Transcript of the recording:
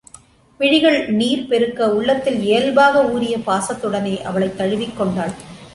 விழிகள் நீர் பெருக்க உள்ளத்தில் இயல்பாக ஊறிய பாசத்துடனே அவளைத் தழுவிக் கொண்டாள்.